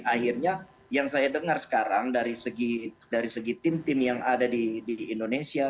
akhirnya yang saya dengar sekarang dari segi tim tim yang ada di indonesia